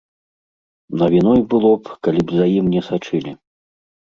Навіной было б, калі б за ім не сачылі.